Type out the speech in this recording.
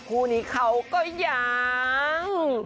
คู่นี้เขาก็ยัง